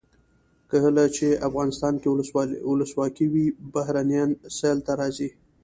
کله چې افغانستان کې ولسواکي وي بهرنیان سیل ته راځي.